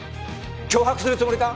脅迫するつもりか？